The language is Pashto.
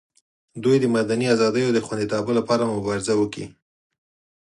دوی د مدني ازادیو د خوندیتابه لپاره مبارزه وکړي.